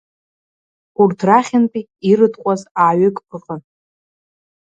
Урҭ рахьынтәи ирытҟәаз ааҩык ыҟан.